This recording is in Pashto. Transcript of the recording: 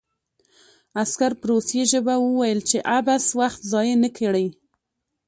عسکر په روسي ژبه وویل چې عبث وخت ضایع نه کړي